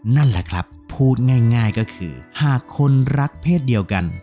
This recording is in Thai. นั่นแหละครับพูดง่ายก็คือหากคนรักเพศเดียวกัน